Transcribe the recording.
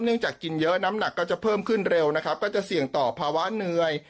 จากกินเยอะน้ำหนักก็จะเพิ่มขึ้นเร็วนะครับก็จะเสี่ยงต่อภาวะเหนื่อย